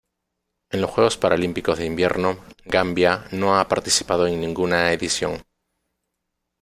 En los Juegos Paralímpicos de Invierno Gambia no ha participado en ninguna edición.